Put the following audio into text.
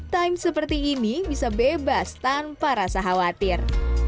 time seperti ini bisa bebas tanpa rasa khawatir